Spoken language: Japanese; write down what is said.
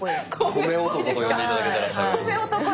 米男と呼んで頂けたら幸いでございます。